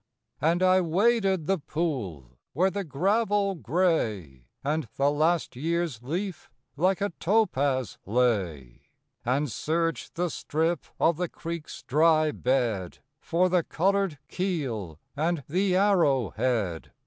And I waded the pool where the gravel gray, And the last year's leaf, like a topaz lay. And searched the strip of the creek's dry bed For the colored keel and the arrow head.